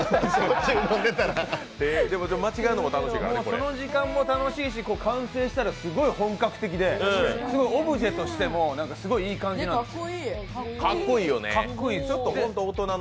その時間も楽しいし、完成したらすごい本格的でオブジェとしてもすごいいい感じなんです。